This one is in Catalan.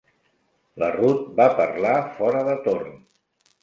La Ruth va parlar fora de torn.